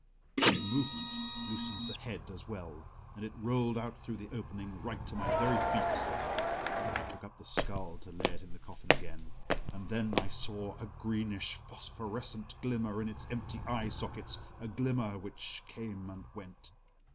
The movement loosened the head as well, and it rolled out through the opening right to my very feet. I took up the skull to lay it in the coffin again and then I saw a greenish phosphorescent glimmer in its empty eye sockets, a glimmer which came and went.